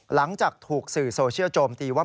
หลังจากถูกสื่อโซเชียลโจมตีว่า